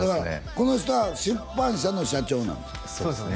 この人は出版社の社長なのそうですよね